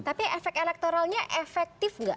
tapi efek elektoralnya efektif nggak